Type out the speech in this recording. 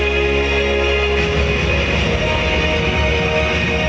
เมื่อเวลาอันดับสุดท้ายมันกลายเป้าหมายเป้าหมาย